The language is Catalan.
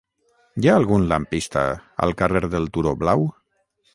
Hi ha algun lampista al carrer del Turó Blau?